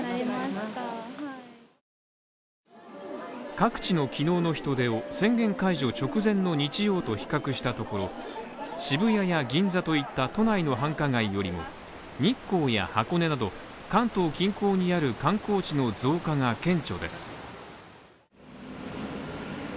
各地の昨日の人出を宣言解除直前の日曜と比較したところ、渋谷や銀座といった都内の繁華街よりも、日光や箱根など関東近郊にある観光地の増加が顕著です。